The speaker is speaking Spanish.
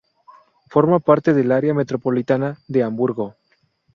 Forma parte del área metropolitana de Hamburgo.